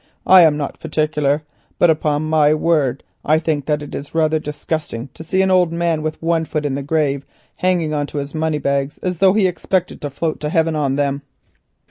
I am not particular, but upon my word I think that it is rather disgusting to see an old man with one foot in the grave hanging on to his moneybags as though he expected to float to heaven on them."